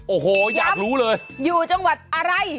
โอ้โหอยากรู้เลยอยู่จังหวัดอะไร